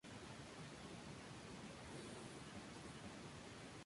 Durante el tiempo que estuvo en la universidad, trabajó como camarera.